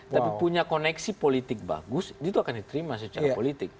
tapi punya koneksi politik bagus itu akan diterima secara politik